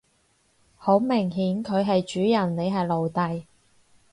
好明顯佢係主人你係奴隸